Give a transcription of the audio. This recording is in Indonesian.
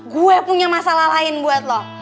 gua punya masalah lain buat lu